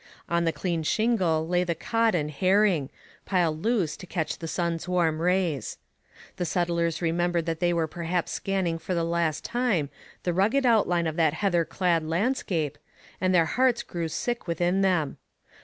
On the clean shingle lay the cod and herring, piled loose to catch the sun's warm rays. The settlers remembered that they were perhaps scanning for the last time the rugged outline of that heather clad landscape, and their hearts grew sick within them.